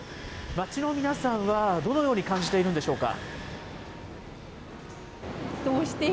街の皆さんはどのように感じているんでしょうか。